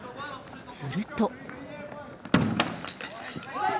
すると。